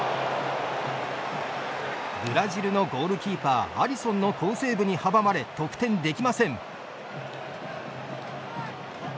ブラジルのゴールキーパーアリソンの好セーブに阻まれ得点できません。